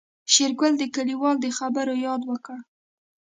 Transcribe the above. شېرګل د کليوال د خبرو ياد وکړ.